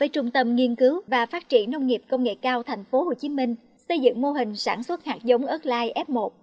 trung tâm nghiên cứu và phát triển nông nghiệp công nghệ cao tp hcm xây dựng mô hình sản xuất hạt giống ớt lai f một